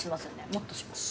もっとします？